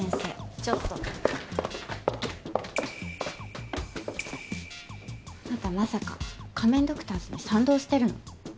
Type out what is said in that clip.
ちょっとあなたまさか仮面ドクターズに賛同してるの？